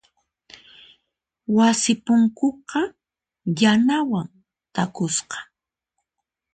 Wasi punkuqa yanawan takusqa.